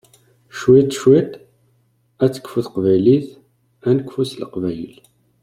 Cwiṭ cwiṭ, ad tekfu teqbaylit, ad nekfu s leqbayel.